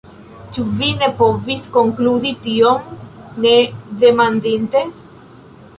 « Ĉu vi ne povis konkludi tion, ne demandinte?"